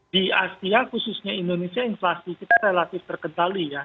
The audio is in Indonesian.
di asia khususnya indonesia inflasi kita relatif terkendali ya